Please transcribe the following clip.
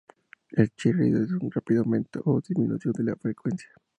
El chirrido es un rápido aumento o disminución de la frecuencia.